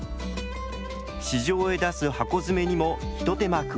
市場へ出す箱詰めにもひと手間加えました。